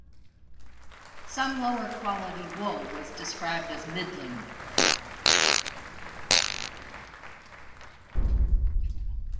Some lower quality wool was described as "middling".